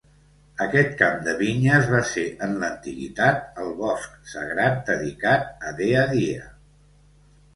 Aquest camp de vinyes va ser en l'antiguitat el bosc sagrat dedicat a Dea Dia.